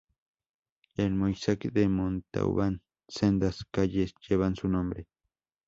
En Moissac y Montauban sendas calles llevan su nombre.